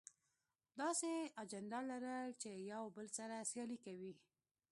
داسې اجنډا لرل چې يو بل سره سیالي کې وي.